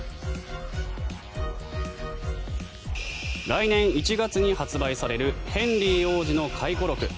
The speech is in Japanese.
来年１月に発売されるヘンリー王子の回顧録。